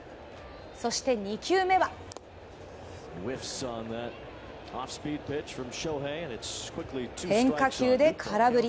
そして２球目は変化球で空振り。